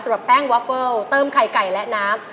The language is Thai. สำหรับแป้งวาเฟิลเติมไข่ไก่และน้ำ